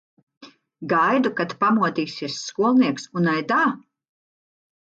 Gaidu, kad pamodīsies skolnieks un aidā!